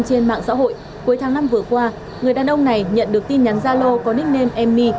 trên mạng xã hội cuối tháng năm vừa qua người đàn ông này nhận được tin nhắn gia lô có nick name emmy